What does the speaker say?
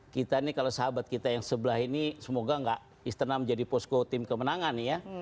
kita nih kalau sahabat kita yang sebelah ini semoga nggak istana menjadi posko tim kemenangan ya